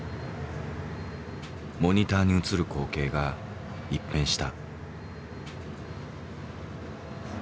モニターに映る光景が一変した。